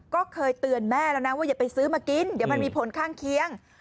ก็เคยเตือนแม่แล้วนะว่าอย่าไปซื้อมากินเดี๋ยวมันมีผลข้างเคียง